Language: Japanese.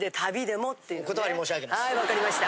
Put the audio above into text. はい分かりました。